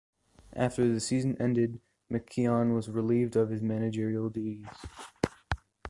After the season ended, McKeon was relieved of his managerial duties.